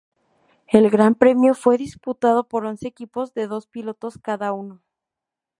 El Gran Premio fue disputado por once equipos de dos pilotos cada uno.